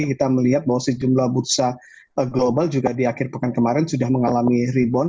kita melihat bahwa sejumlah bursa global juga di akhir pekan kemarin sudah mengalami rebound